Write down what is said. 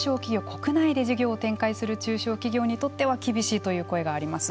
国内で事業を展開する中小企業にとっては厳しいという声があります。